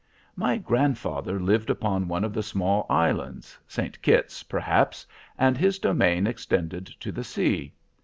"My grandfather lived upon one of the small islands, St. Kit's, perhaps, and his domain extended to the sea.